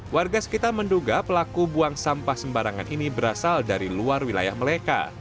warga sekitar menduga pelaku buang sampah sembarangan ini berasal dari luar wilayah mereka